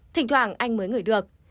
thỉnh thoảng anh mới ngửi được